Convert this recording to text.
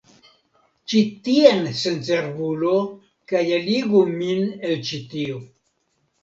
Ĉi tien, sencerbulo, kaj eligu min el ĉi tio.